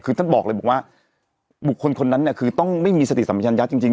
คือท่านบอกเลยบอกว่าบุคคลคนนั้นเนี่ยคือต้องไม่มีสติสัมยัญญัติจริง